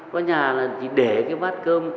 có nhà là chỉ để cái bát cơm